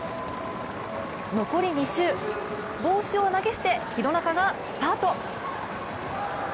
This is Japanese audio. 残り２周、帽子を投げ捨て廣中がスパート。